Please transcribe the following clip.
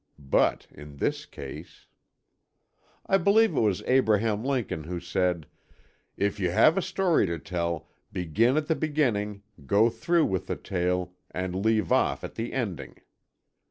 But in this case—— I believe it was Abraham Lincoln who said: "If you have a story to tell, begin at the beginning, go through with the tale, and leave off at the ending."